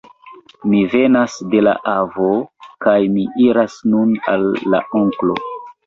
Mi venas de la avo; kaj mi iras nun al la onklo.